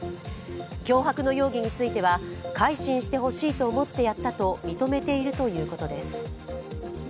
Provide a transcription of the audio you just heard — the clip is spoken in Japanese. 脅迫の容疑については、改心してほしいと思ってやったと認めているということです。